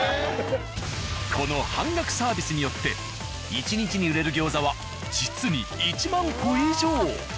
この半額サービスによって１日に売れる餃子は実に１万個以上。